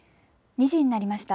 ２時になりました。